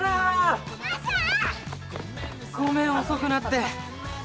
ごめん遅くなって。